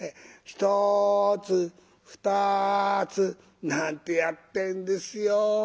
ひとつふたつ」なんてやってんですよ。